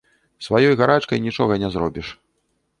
Сваёй гарачкай нічога не зробіш.